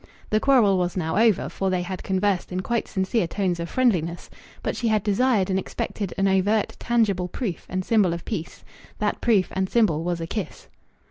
The quarrel was now over, for they had conversed in quite sincere tones of friendliness, but she had desired and expected an overt, tangible proof and symbol of peace. That proof and symbol was a kiss.